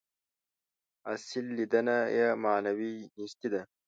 اصل لېدنه یې معنوي نیستي ده.